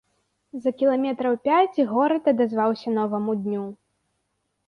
За кіламетраў пяць горад адазваўся новаму дню.